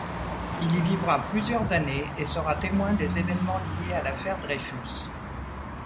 Il y vivra plusieurs années et sera témoin des événements liés à l'affaire Dreyfus.